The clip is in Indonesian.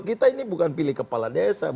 kita ini bukan pilih kepala desa